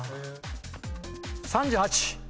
３８。